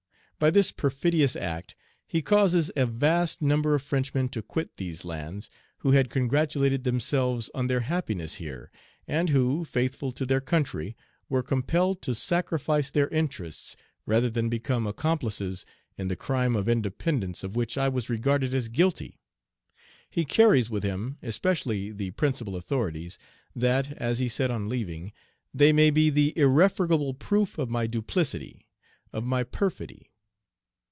By this perfidious act, he causes a vast number of Frenchmen to quit these lands, who had congratulated themselves on their happiness here, and who, faithful to their country, were compelled to sacrifice their interests, rather than become accomplices in the crime of independence of which I was regarded as guilty; he carries with him, especially, the principal authorities, that (as he said on leaving) they may be the irrefragable proof of my duplicity, of my perfidy.